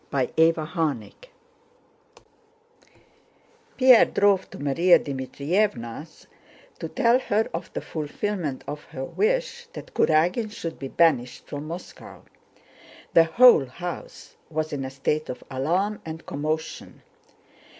CHAPTER XXI Pierre drove to Márya Dmítrievna's to tell her of the fulfillment of her wish that Kurágin should be banished from Moscow. The whole house was in a state of alarm and commotion.